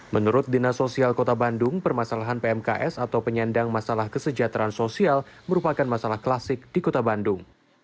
menurut dinas sosial kota bandung permasalahan pmks atau penyandang masalah kesejahteraan sosial merupakan masalah klasik di kota bandung